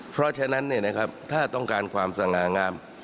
เพราะฉะนั้นเนี่ยนะครับถ้าต้องการความสง่างาม